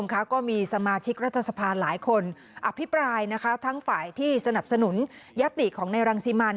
ก็มีสมาชิกรัฐสภาหลายคนอภิปรายทั้งฝ่ายที่สนับสนุนยติของในรังสิมัน